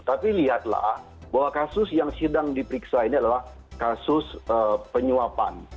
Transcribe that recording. tapi lihatlah bahwa kasus yang sedang diperiksa ini adalah kasus penyuapan